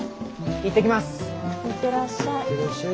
行ってらっしゃい。